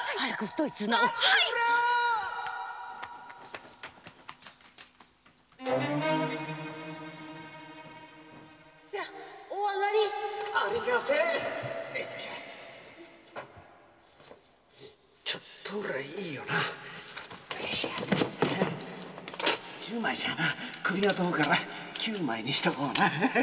十枚じゃ首が飛ぶから九枚にしとこうな。